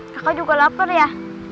kakak juga lapar ya